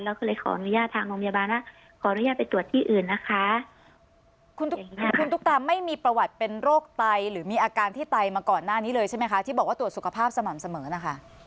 เราก็เลยขออนุญาตทางโรงพยาบาลนะขออนุญาตไปตรวจที่อื่นนะคะคุณตุ๊กคุณตุ๊กตาไม่มีประวัติเป็นโรคไตหรือมีอาการที่ไตมาก่อนหน้านี้เลยใช่ไหมคะที่บอกว่าตรวจสุขภาพสม่ำเสมอนะคะ